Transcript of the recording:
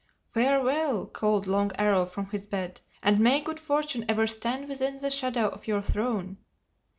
"Farewell!" called Long Arrow from his bed, "and may good fortune ever stand within the shadow of your throne!"